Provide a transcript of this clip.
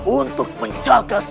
untuk menjaga seluruh dunia